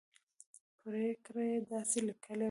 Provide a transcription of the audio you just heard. پرېکړه یې داسې لیکلې وه.